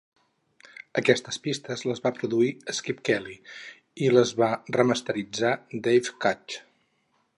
Aquestes pistes les va produir Skip Kelly i les va remasteritzar Dave Kutch.